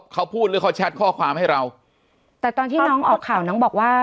เขาพูดหรือเขาแชทข้อความให้เราแต่ตอนที่น้องออกข่าวน้องบอกว่า